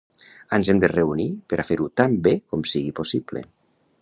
Ens hem de reunir per a fer-ho tan bé com sigui possible.